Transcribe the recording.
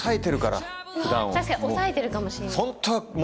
確かに抑えてるかもしれない。